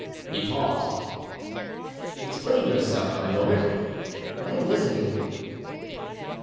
He paused. "Explain yourself, my lord, I am listening."